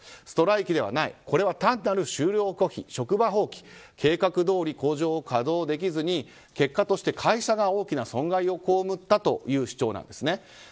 ストライキではないこれは単なる就労拒否、職場放棄計画どおり工場を稼働できずに結果として会社が大きな損害を被ったという主張です。